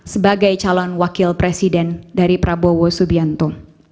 sebagai calon wakil presiden dari prabowo subianto